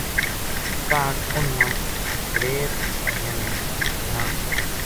کاہڈ اُنھ ماتریر بھائیاں نے نہ